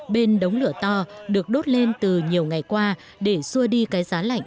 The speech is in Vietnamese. bên đống lửa to được đốt lên từ nhiều ngày qua để xua đi cái giá lạnh